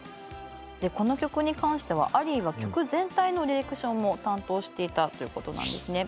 この曲に関してはアリーが曲全体のディレクションも担当していたということなんですね。